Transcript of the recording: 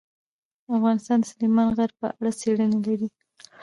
افغانستان د سلیمان غر په اړه څېړنې لري.